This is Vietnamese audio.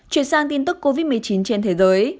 chuyển sang tin tức covid một mươi chín trên thế giới